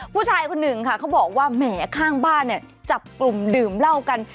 ผู้ชายคนหนึ่งค่ะเขาบอกว่าแหมข้างบ้านเนี่ยจับกลุ่มดื่มเหล้ากัน